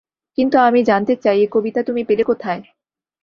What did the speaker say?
কিন্তু আমি জানতে চাই, এ কবিতা তুমি পেলে কোথায়।